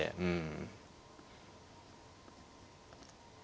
うん。